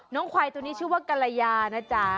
ควายตัวนี้ชื่อว่ากรยานะจ๊ะ